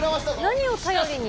何を頼りに？